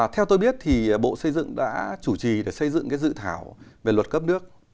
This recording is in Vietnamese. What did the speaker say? theo tôi biết thì bộ xây dựng đã chủ trì để xây dựng dự thảo về luật cấp nước